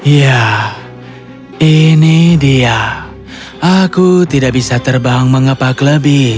ya ini dia aku tidak bisa terbang mengepak lebih